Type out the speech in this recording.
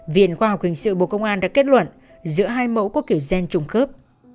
viện khoa học hình sự bộ công an đã kết luận giữa hai mẫu có kiểu gen trùng khớp